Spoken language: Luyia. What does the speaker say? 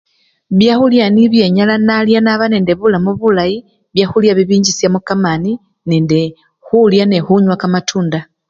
Byakhulya nibyo enyala nalya naba nende bulamu bulayi, byakhulya bibinchisyamo kamani nende khulya nekhunywa kamatunda.